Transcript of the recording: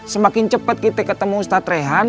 semakin cepat kita ketemu ustadz rehan